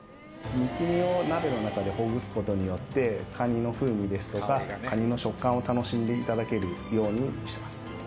むき身を鍋の中でほぐすことによって、カニの風味ですとか、カニの食感を楽しんでいただけるようにしてます。